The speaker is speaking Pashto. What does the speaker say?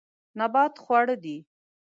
نبات خواړه دي.